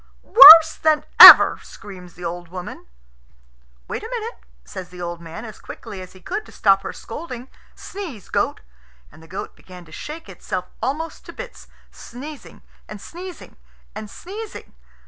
"Worse than ever!" screams the old woman. "Wait a minute," says the old man as quickly as he could, to stop her scolding. "Sneeze, goat." And the goat began to shake itself almost to bits, sneezing and sneezing and sneezing.